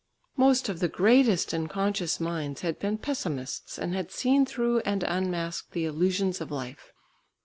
Most of the greatest and conscious minds had been pessimists, and had seen through and unmasked the illusions of life.